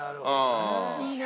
いいな。